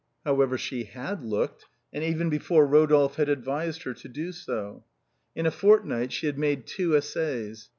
However, she had looked, and even before Eodolphe had advised her to do so. In a fortnight she had made two essays.